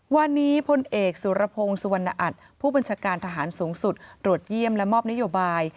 วันนี้พลเอกสุรพงศ์สุวรรณอัตผู้บัญชาการทหารสูงสุดตรวจเยี่ยมและมอบนโยบาย